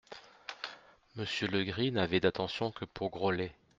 Monsieur Legris n'avait d'attention que pour Grollet.